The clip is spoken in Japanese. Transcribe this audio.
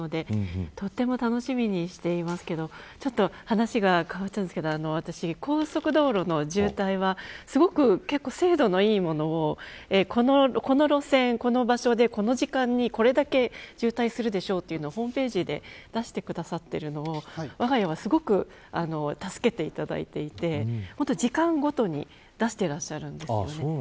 日の並びがよかったりするのでとても楽しみにしていますけどちょっと話が変わっちゃうんですけど、私高速道路の渋滞はすごく精度のいいものをこの路線、この場所でこの時間にこれだけ渋滞するでしょうというのをホームページで出してくださってるのをわが家はすごく助けていただいていて時間ごとに出していらっしゃるんですよね。